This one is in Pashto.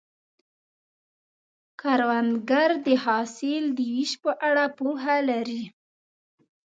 کروندګر د حاصل د ویش په اړه پوهه لري